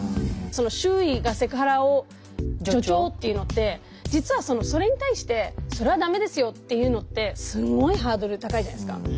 その周囲がセクハラを助長っていうのって実はそれに対して「それは駄目ですよ」って言うのってすごいハードル高いじゃないですか。